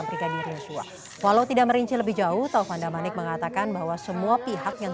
brigadir yosua walau tidak merinci lebih jauh taufan damanik mengatakan bahwa semua pihak yang